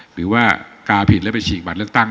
หรือว่ากาผิดแล้วไปฉีกบัตรเลือกตั้ง